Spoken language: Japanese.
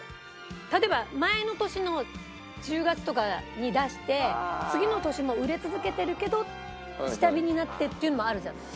例えば前の年の１０月とかに出して次の年も売れ続けてるけど下火になってっていうのもあるじゃない。